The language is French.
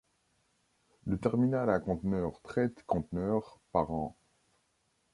Le terminal à conteneurs traite conteneurs par an.